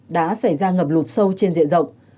đã xảy ra ngập lụt sâu trên diện rộng